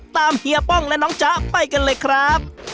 เฮียป้องและน้องจ๊ะไปกันเลยครับ